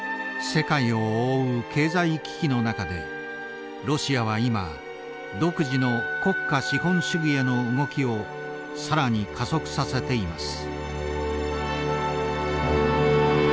世界を覆う経済危機の中でロシアは今独自の国家資本主義への動きを更に加速させています。